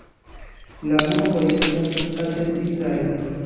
La movoj estas atentitaj.